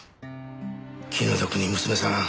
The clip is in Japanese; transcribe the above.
気の毒に娘さん